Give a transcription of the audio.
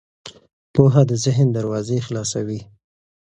پوهه د ذهن دروازې خلاصوي.